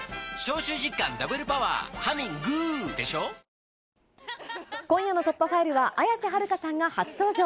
明治おいしい牛乳今夜の突破ファイルは、綾瀬はるかさんが初登場。